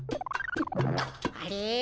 あれ？